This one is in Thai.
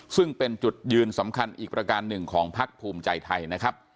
ซึ่งเป็นจุดยืนสำคัญอีกประการหนึ่งของพักภูมิใจไทยนะครับ